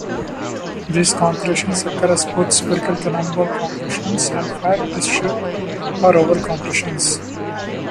These concretions occur as both spherical cannonball concretions and flat, disk-shaped or oval concretions.